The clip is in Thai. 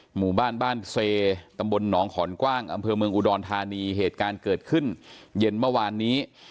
หมู่บ้านบ้านเซตำบลหนองขอนกว้างอำเภอเมืองอุดรธานีเหตุการณ์เกิดขึ้นเย็นเมื่อวานนี้